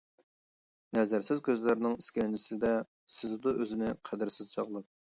نەزەرسىز كۆزلەرنىڭ ئىسكەنجىسىدە، سېزىدۇ ئۆزىنى قەدىرسىز چاغلاپ.